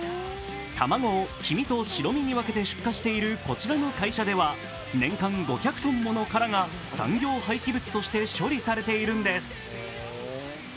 卵を黄身と白身に分けて出荷しているこちらの会社では、年間５００トンもの殻が産業廃棄物として処理されているんです。